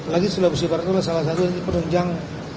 lagipun sulawesi barat itu salah satu yang dipenunjang